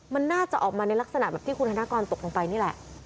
มันน่าจะออกมาในลักษณะแบบที่คุณธนกรตกลงไปนี่แหละ